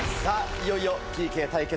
いよいよＰＫ対決